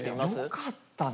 「よかったな」？